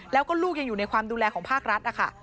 แล้วก็ลูกยังอยู่ในความดูแลของภาครัฐนะคะ